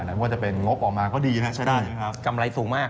ดังนั้นว่าจะเป็นงบออกมาก็ดีนะใช้ได้นะครับ